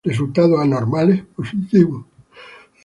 Resultados anormales: positivo.